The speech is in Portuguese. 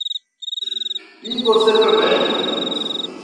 E você também.